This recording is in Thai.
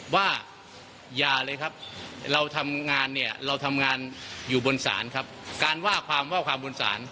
ว่าอย่าเลยครับเราทำงานอยู่บนศาลครับ